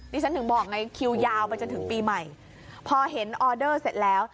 ฉันถึงบอกไงคิวยาวไปจนถึงปีใหม่พอเห็นออเดอร์เสร็จแล้ว